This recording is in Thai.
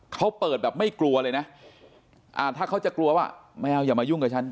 เขาเปิดแบบไม่กลัวเลยนะถ้าเขาจะกลัวว่าแมวอย่ามายุ่งกับฉัน